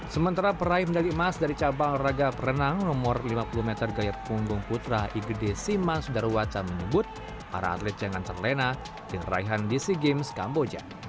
sementara meraih medali emas dari cabang raga perenang nomor lima puluh meter gayapunggung putra igd simas darwaca menyebut para atlet jangan terlena di ngeraihan di sea games kamboja